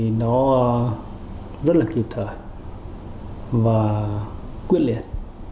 thì nó rất là kịp thời và quyết liệt